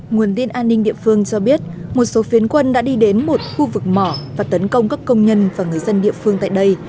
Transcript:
nguồn tin an ninh địa phương cho biết một số phiến quân đã đi đến một khu vực mỏ và tấn công các công nhân và người dân địa phương tại đây